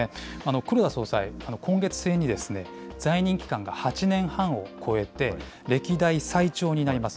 黒田総裁、今月末にですね、在任期間が８年半を超えて、歴代最長になります。